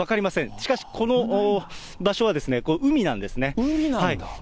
しかしこの場所は、海なんですね。